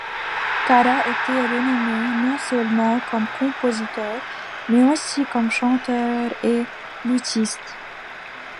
Cara était renommé non seulement comme compositeur mais aussi comme chanteur et luthiste.